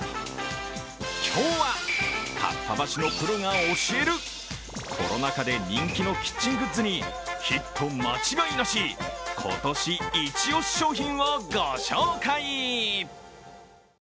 今日は、かっぱ橋のプロが教えるコロナ禍で人気のキッチングッズにヒット間違いなし、今年イチオシ商品をご紹介。